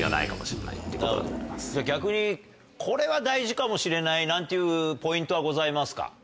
じゃあ逆にこれは大事かもしれないなんていうポイントはございますか？